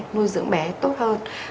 nuôi dưỡng bé tốt hơn